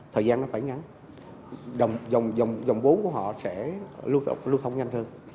thời gian nó phải ngắn dòng vốn của họ sẽ lưu thông nhanh hơn